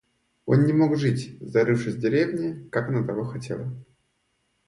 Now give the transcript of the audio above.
Он не мог жить, зарывшись в деревне, как она того хотела.